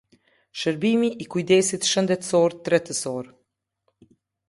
Shërbimi i kujdesit shëndetësor tretësor.